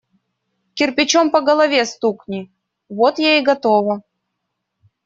Кирпичом по голове стукни – вот я и готова.